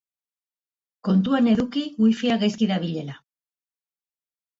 Kontuan eduki wifia gaizki dabilela.